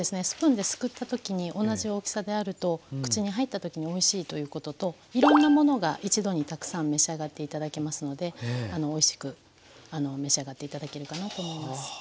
スプーンですくった時に同じ大きさであると口に入った時においしいということといろんなものが一度にたくさん召し上がって頂けますのでおいしく召し上がって頂けるかなと思います。